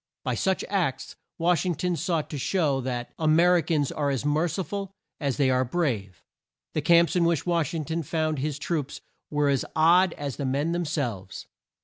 By such acts Wash ing ton sought to show that "A mer i cans are as mer ci ful as they are brave." The camps in which Wash ing ton found his troops were as odd as the men them selves.